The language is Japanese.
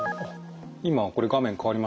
今これ画面変わりましたけど。